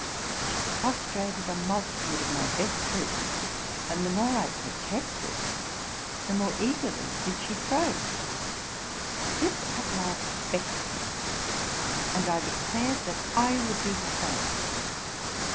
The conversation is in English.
She prostrated a multitude of my best troops, and the more I protested the more eagerly did she throw. This at last vexed me, and I dee lared that I would do the same.